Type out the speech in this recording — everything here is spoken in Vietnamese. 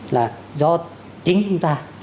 là do chính chúng ta